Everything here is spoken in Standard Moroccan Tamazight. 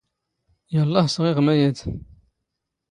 ⵢⴰⵍⵍⴰⵀ ⵙⵖⵉⵖ ⵎⴰⵢⴰⴷ.